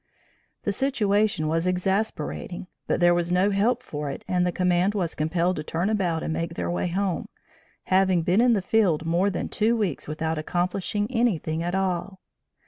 The situation was exasperating, but there was no help for it and the command was compelled to turn about and make their way home, having been in the field more than two weeks without accomplishing anything at all.